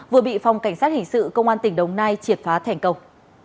vừa bị phòng cảnh sát hình sự công an tỉnh đồng nai triệt phá thành công